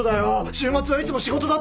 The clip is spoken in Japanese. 週末はいつも仕事だって。